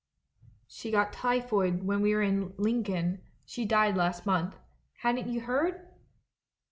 " 'She got tj^phoid when we were in Lincoln — she died last month. Hadn't you heard?'